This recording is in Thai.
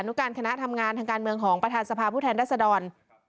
นุการคณะทำงานทางการเมืองของประธานสภาพผู้แทนรัศดร